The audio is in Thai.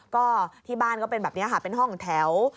ก็ที่บ้านก็เป็นแบบนี้ค่ะเป็นห้องแถว